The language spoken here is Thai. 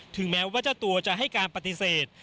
ถึงแม้ว่าวัจจัตรูจะให้การปฏิเสธ